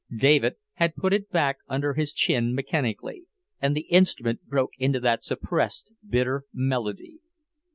David had put it back under his chin mechanically, and the instrument broke into that suppressed, bitter melody.